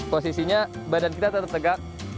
posisinya badan kita tetap tegak